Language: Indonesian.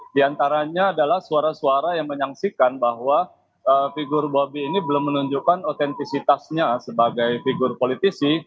di antaranya adalah suara suara yang menyaksikan bahwa figur bobi ini belum menunjukkan otentisitasnya sebagai figur politisi